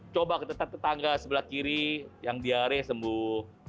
coba tetap tetangga sebelah kiri yang diare sembuh